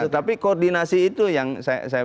tapi koordinasi itu yang saya